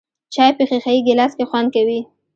چای په ښیښه یې ګیلاس کې خوند کوي .